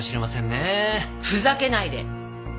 ふざけないで！